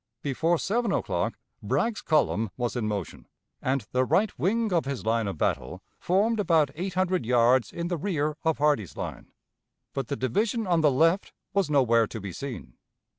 Before seven o'clock Bragg's column was in motion, and the right wing of his line of battle formed about eight hundred yards in the rear of Hardee's line. But the division on the left was nowhere to be seen.